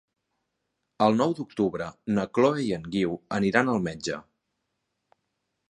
El nou d'octubre na Chloé i en Guiu aniran al metge.